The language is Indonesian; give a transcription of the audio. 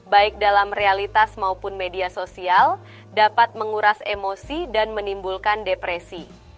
baik dalam realitas maupun media sosial dapat menguras emosi dan menimbulkan depresi